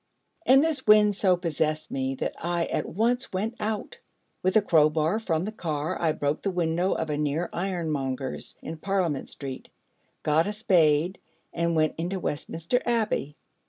And this wind so possessed me, that I at once went out: with the crow bar from the car I broke the window of a near iron monger's in Parliament Street, got a spade, and went into Westminster Abbey.